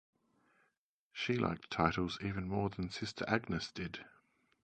She liked titles even more than Sister Agnes did.